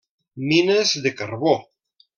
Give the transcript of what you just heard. Mines de carbó.